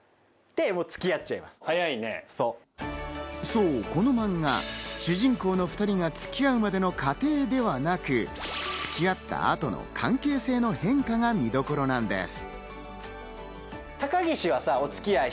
そう、このマンガ、主人公の２人が付き合うまでの過程ではなく、付き合った後の関係性の変化が見どころなんです。